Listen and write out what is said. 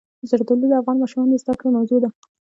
زردالو د افغان ماشومانو د زده کړې موضوع ده.